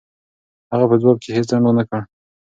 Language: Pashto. هغه په ځواب کې هېڅ ځنډ و نه کړ.